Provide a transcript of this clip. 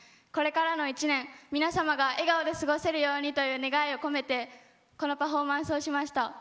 これからの一年皆様が笑顔で過ごせるようにという願いを込めてこのパフォーマンスをしました。